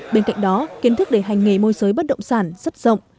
bên cạnh đó kiến thức để hành nghề môi giới bất động sản rất rộng